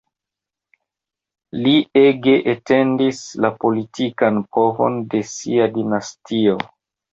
Li ege etendis la politikan povon de sia dinastio.